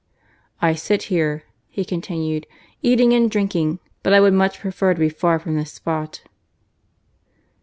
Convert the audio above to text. "I sit here," he continued, "eating and drinking but I would much prefer to be far from this spot."